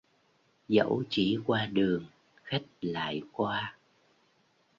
Dẫu chỉ qua đường, khách lại qua.